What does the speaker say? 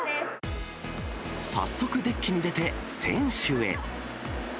早速デッキに出て船首へ。